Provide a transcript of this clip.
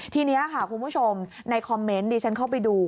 ทีนี้ค่ะคุณผู้ชมในคอมเมนต์ดิฉันเข้าไปดู